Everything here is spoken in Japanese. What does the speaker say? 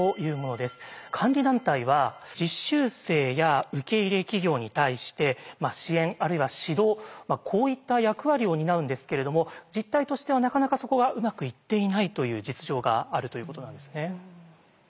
監理団体は実習生や受け入れ企業に対して支援あるいは指導こういった役割を担うんですけれども実態としてはなかなかそこがうまくいっていないという実情があるということなんですね。